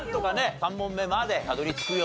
３問目までたどり着くように。